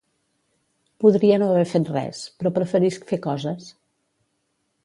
Podria no haver fet res, però preferisc fer coses.